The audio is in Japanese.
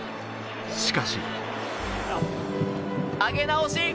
しかし。